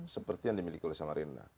seperti yang dimiliki oleh samarinda